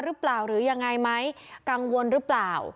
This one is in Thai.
หรือเปล่าหรือยังไงไหมกังวลหรือเปล่า